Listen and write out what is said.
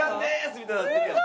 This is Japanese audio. みたいになってるやん。